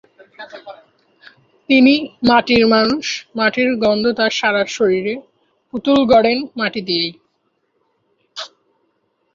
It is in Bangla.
তিনি মাটির মানুষ, মাটির গন্ধ তার সারা শরীরে, পুতুল গড়েন মাটি দিয়েই।